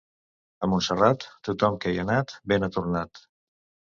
A Montserrat, tothom que hi ha anat bé n'ha tornat.